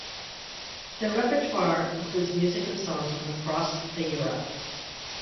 Their repertoire includes music and songs from across the Europe.